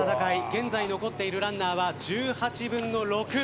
現在残っているランナーは１８分の６。